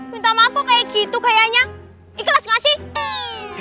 minta maaf kok kayak gitu kayaknya ikhlas gak sih